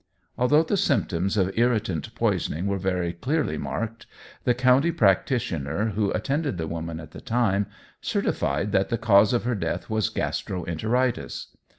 Although the symptoms of irritant poisoning were very clearly marked, the country practitioner, who attended the woman at the time, certified that the cause of her death was gastro enteritis.